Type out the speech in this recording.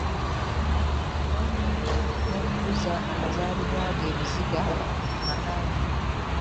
Awamu n'okukuza amazaalibwa ge e Buziga mu maka ge.